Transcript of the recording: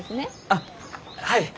あっはい。